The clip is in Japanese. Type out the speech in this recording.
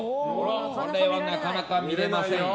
これはなかなか見れませんよ。